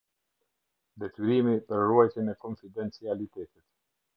Detyrimi për ruajtjen e konfidencialitetit.